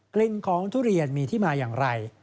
กลิ่นของทุเรียนมีที่มาอย่างไร